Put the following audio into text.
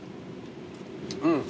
うん。